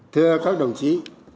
thưa các đồng chí